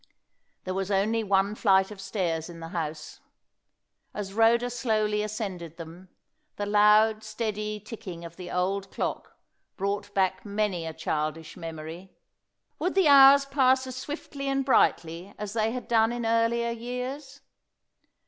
There was only one flight of stairs in the house. As Rhoda slowly ascended them, the loud, steady ticking of the old clock brought back many a childish memory. Would the hours pass as swiftly and brightly as they had done in earlier years?